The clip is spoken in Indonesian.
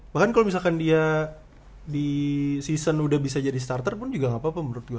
bahkan kalau misalkan dia di season udah bisa jadi starter pun juga gak apa apa menurut gue